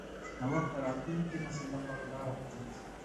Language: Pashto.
نوښت د راتلونکي نسل لپاره لاره پرانیځي.